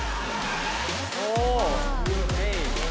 お。